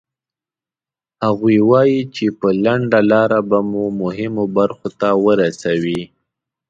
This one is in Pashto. هغوی وایي چې په لنډه لاره به مو مهمو برخو ته ورسوي.